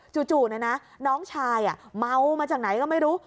จู่น้องชายเมามาจากไหนก็ไม่รู้